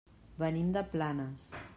Venim de Planes.